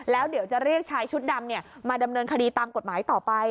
แล้วเดี๋ยวจะเรียกชายชุดดำมาดำเนินคดีตามกฎหมายต่อไป